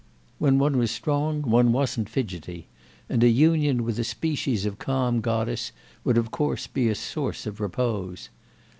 When one was strong one wasn't fidgety, and a union with a species of calm goddess would of course be a source of repose.